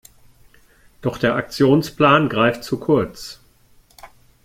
Doch der Aktionsplan greift zu kurz.